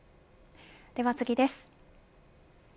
では次です。